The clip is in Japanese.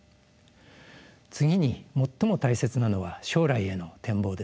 次に最も大切なのは将来への展望です。